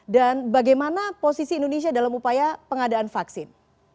dan bagaimana posisi indonesia dalam upaya pengadaan vaksin